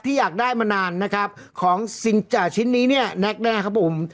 อยากได้มานานนะครับของชิ้นนี้เนี่ยแน็กแน่ครับผม